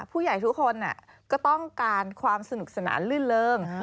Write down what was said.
ผู้ใหญ่ทุกคนก็ต้องการความสนุกสนานลื่นเริง